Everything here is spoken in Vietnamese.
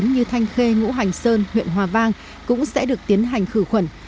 như thanh khê ngũ hành sơn huyện hòa vang cũng sẽ được tiến hành khử khuẩn